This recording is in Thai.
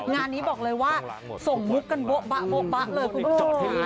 งานนี้บอกเลยว่าส่งมุกกันบ๊ะเลยครับคุณผู้หญิง